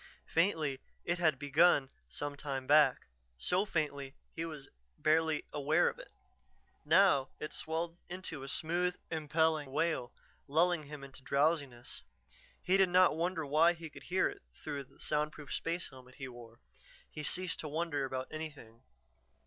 Faintly it had begun some time back, so faintly he was barely aware of it. Now it swelled into a smooth, impelling wail lulling him into drowsiness. He did not wonder why he could hear through the soundproof space helmet he wore; he ceased to wonder about anything.